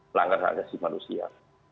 melanggar hak asasi manusia